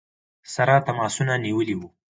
سره تماسونه نیولي ؤ.